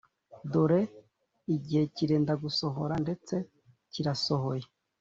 Dore igihe kirenda gusohora ndetse kirasohoye